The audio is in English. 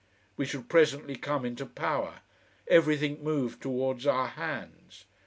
We should presently come into power. Everything moved towards our hands.